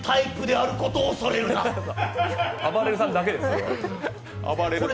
あばれるさんだけです、それは。